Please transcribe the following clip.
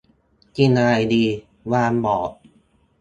กินอะไรดี วานบอก